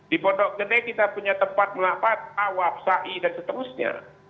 di pondok gede kita punya tempat menapat tawaf sa'i dan seterusnya